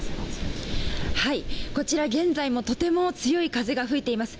こちら現在もとても強い風が吹いています。